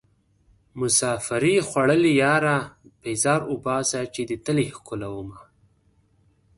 مسافرۍ خوړليه ياره پيزار اوباسه چې دې تلې ښکلومه